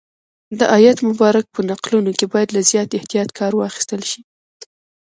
د آیت مبارک په نقلولو کې باید له زیات احتیاط کار واخیستل شي.